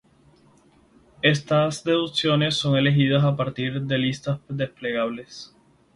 Estas deducciones son elegidas a partir de listas desplegables.